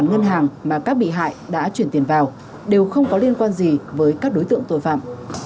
ngân hàng mà các bị hại đã chuyển tiền vào đều không có liên quan gì với các đối tượng tội phạm